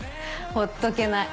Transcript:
ほっとけない。